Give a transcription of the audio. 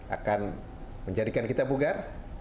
akan menjadikan kita bugar